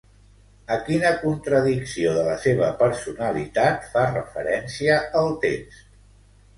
A quina contradicció de la seva personalitat fa referència el text?